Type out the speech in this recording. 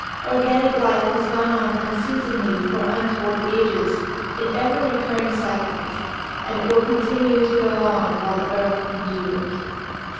Organic life has gone on unceasingly for untold ages in ever recurring cycles and it will continue to go on while the earth endures.